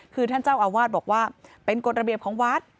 คือท่านเจ้าอาวาสบอกว่าเป็นกฎระเบียบของวัด